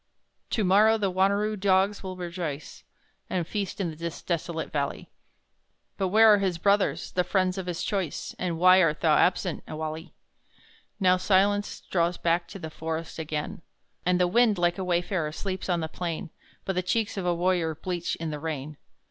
To morrow the Wanneroo dogs will rejoice, And feast in this desolate valley; But where are his brothers the friends of his choice, And why art thou absent, Ewalli? Now silence draws back to the forest again, And the wind, like a wayfarer, sleeps on the plain, But the cheeks of a warrior bleach in the rain.